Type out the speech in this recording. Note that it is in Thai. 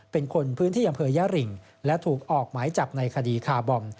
เป็นคนพื้นที่อำเภอย่าริงและถูกออกหมายจับในคดีคาร์บอม